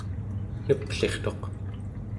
neplirtuq